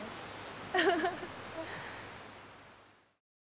アハハハ！